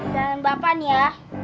jangan bapak nih ya